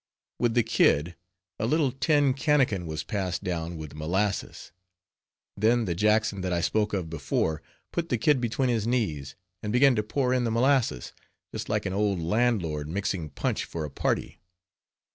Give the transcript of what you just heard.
With the "kid," a little tin cannikin was passed down with molasses. Then the Jackson that I spoke of before, put the kid between his knees, and began to pour in the molasses, just like an old landlord mixing punch for a party.